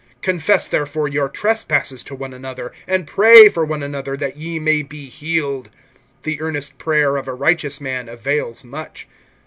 (16)Confess therefore your trespasses to one another, and pray for one another, that ye may be healed. The earnest prayer of a righteous man avails much.